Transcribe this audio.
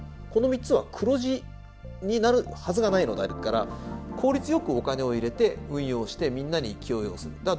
この３つは黒字になるはずがないのだから効率よくお金を入れて運用してみんなに供与する。